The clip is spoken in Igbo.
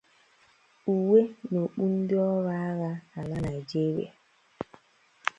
uwe na okpu ndị ọrụ agha ala Nigeria